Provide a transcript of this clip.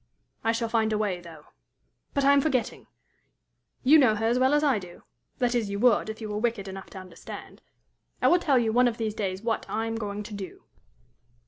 I shall find a way, though. But I am forgetting! you know her as well as I do that is, you would, if you were wicked enough to understand. I will tell you one of these days what, I am going to do.